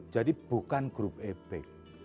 jadi bukan grup epek